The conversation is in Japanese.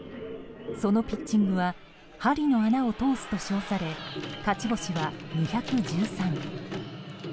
そのピッチングは針の穴を通すと称され勝ち星は２１３。